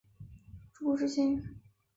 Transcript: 是主仆之情？